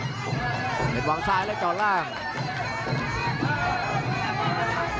อื้อหือจังหวะขวางแล้วพยายามจะเล่นงานด้วยซอกแต่วงใน